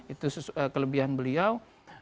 itu kelebihan beliau